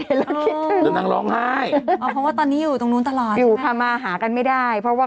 ตอนนี้นั่งเป็นหมออยู่ที่ไหนอ่ะ